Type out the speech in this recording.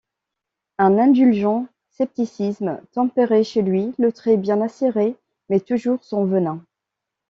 Un indulgent scepticisme tempérait chez lui le trait bien acéré, mais toujours sans venin.